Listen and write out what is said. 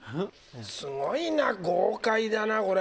すごいな豪快だなこれ。